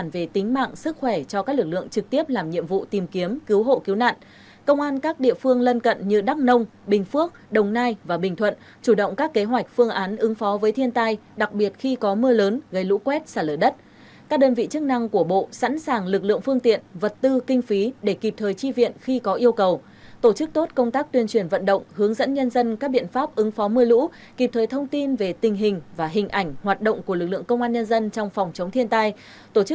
bộ cứu nạn công an các địa phương lân cận như đắk nông bình phước đồng nai và bình thuận chủ động các kế hoạch phương án ứng phó với thiên tai đặc biệt khi có mưa lớn gây lũ quét xả lở đất các đơn vị chức năng của bộ sẵn sàng lực lượng phương tiện vật tư kinh phí để kịp thời chi viện khi có yêu cầu tổ chức tốt công tác tuyên truyền vận động hướng dẫn nhân dân các biện pháp ứng phó mưa lũ kịp thời thông tin về tình hình và hình ảnh hoạt động của lực lượng công an nhân dân trong phòng chống thiên tai t